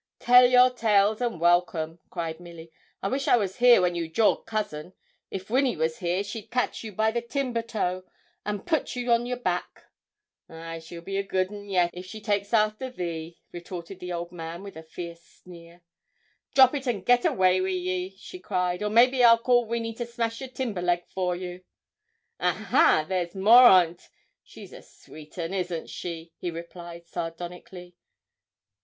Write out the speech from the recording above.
'Tell your tales, and welcome,' cried Milly. 'I wish I was here when you jawed cousin. If Winny was here she'd catch you by the timber toe and put you on your back.' 'Ay, she'll be a good un yet if she takes arter thee,' retorted the old man with a fierce sneer. 'Drop it, and get away wi' ye,' cried she, 'or maybe I'd call Winny to smash your timber leg for you.' 'A ha! there's more on't. She's a sweet un. Isn't she?' he replied sardonically.